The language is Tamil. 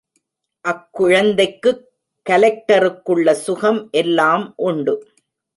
அக்குழந்தைக்குக் கலெக்டருக்குள்ள சுகம் எல்லாம் உண்டு.